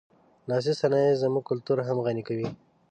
لاسي صنایع زموږ کلتور هم غني کوي.